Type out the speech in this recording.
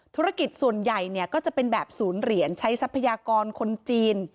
ธุรกิจส่วนใหญ่เนี่ยก็จะเป็นแบบศูนย์เหรียญใช้ทรัพยากรคนจีน